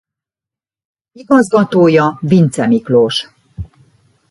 Igazgatója Vincze Miklós.